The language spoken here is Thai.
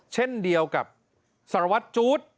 เช่นเดียวกับสารวัตรจู๊ด